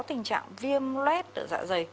tình trạng viêm lét dạ dày